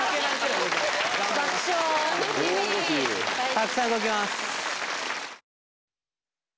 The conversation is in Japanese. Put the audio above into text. たくさん動きます。